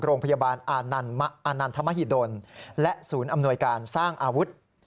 โรงพยาบาลอานันทมหิดลและศูนย์อำนวยการสร้างอาวุธ